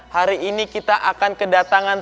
hari ini kita akan kedatangan